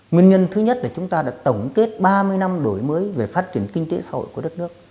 nguyên nhân thứ nhất là chúng ta đã tổng kết ba mươi năm đổi mới về phát triển kinh tế xã hội của đất nước